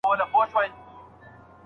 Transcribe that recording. سبا به هغوی د ښوونځي په جوړولو بوخت وي.